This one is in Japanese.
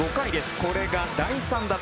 これが第３打席。